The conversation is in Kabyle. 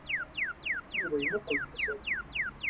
Yuba yemmuqqel d asawen.